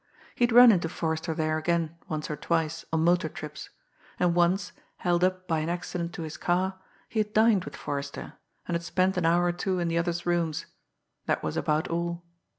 He had run into Forrester there again once or twice on motor trips and once, held up by an accident to his car, he had dined with Forrester, and had spent an hour or two in the other's rooms. That was about all.